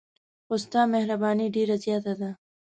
خو ستا مهرباني ډېره زیاته ده.